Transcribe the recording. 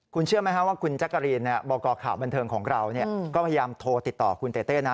คุณเชื่อไหมคะว่าคุณจักรีนบคบันเทิงของเราก็พยายามโทรติดต่อคุณเต้เต้นะ